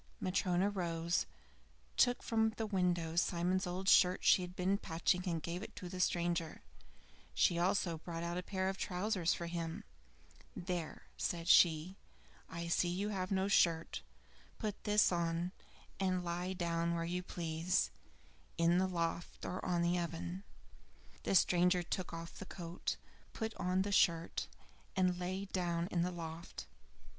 Matryona rose, took from the window Simon's old shirt she had been patching, and gave it to the stranger. She also brought out a pair of trousers for him. "There," said she, "I see you have no shirt. Put this on, and lie down where you please, in the loft or on the oven." The stranger took off the coat, put on the shirt, and lay down in the loft.